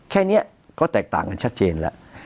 แค่นี้ก็แตกต่างกันชัดเจนแล้ว